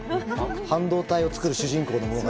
半導体をつくる主人公の物語。